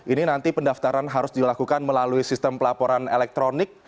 ini nanti pendaftaran harus dilakukan melalui sistem pelaporan elektronik